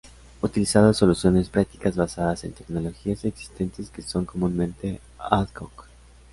Utiliza soluciones prácticas basadas en tecnologías existentes que son comúnmente "ad hoc".